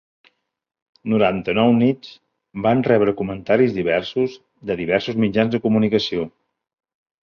"Noranta-nou nits" van rebre comentaris diversos de diversos mitjans de comunicació.